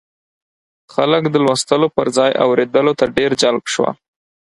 خلک د لوستلو پر ځای اورېدلو ته ډېر جلب شول.